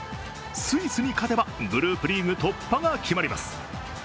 スイスに勝てばグループリーグ突破が決まります。